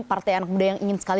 partai anak muda yang ingin sekali